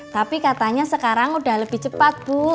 tapi katanya sekarang udah lebih cepat bu